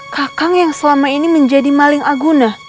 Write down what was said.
kakang yang selama ini menjadi maling aguna